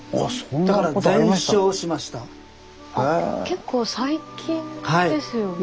結構最近ですよね。